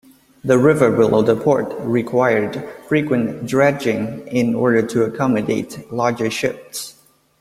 The river below the port required frequent dredging in order to accommodate larger ships.